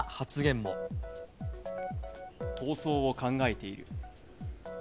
逃走を考えている。